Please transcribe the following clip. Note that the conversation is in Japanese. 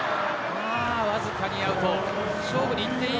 わずかにアウト。